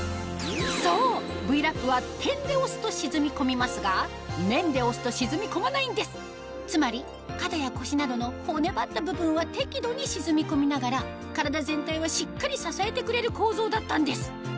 そうＶ−Ｌａｐは点で押すと沈み込みますが面で押すと沈み込まないんですつまり肩や腰などの骨ばった部分は適度に沈み込みながら体全体をしっかり支えてくれる構造だったんです